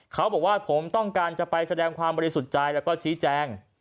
เขาบอกว่าผมต้องการจะไปแสดงความบริสุทธิ์ใจแล้วก็ชี้แจง